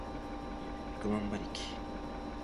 百万馬力